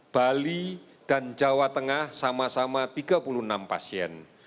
bali dan jawa tengah sama sama tiga puluh enam pasien